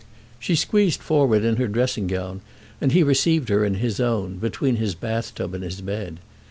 She squeezed forward in her dressing gown, and he received her in his own, between his bath tub and his bed.